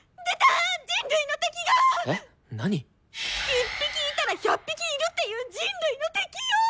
１匹いたら１００匹いるっていう人類の敵よ！